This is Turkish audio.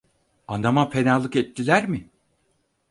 Anama fenalık ettiler mi?